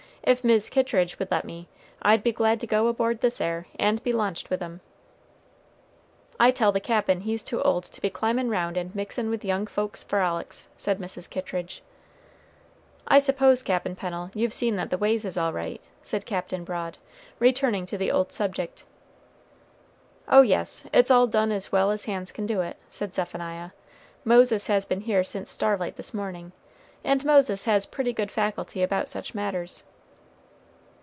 "If Mis' Kittridge would let me, I'd be glad to go aboard this 'ere, and be launched with 'em." "I tell the Cap'n he's too old to be climbin' round and mixin' with young folks' frolics," said Mrs. Kittridge. "I suppose, Cap'n Pennel, you've seen that the ways is all right," said Captain Broad, returning to the old subject. "Oh yes, it's all done as well as hands can do it," said Zephaniah. "Moses has been here since starlight this morning, and Moses has pretty good faculty about such matters."